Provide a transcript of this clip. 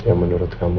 ya menurut kamu aja